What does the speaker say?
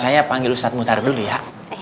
saya panggil ustadz muhtar dulu ya